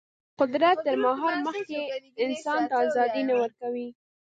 قدرت تر مهار مخکې انسان ته ازادي نه ورکوي.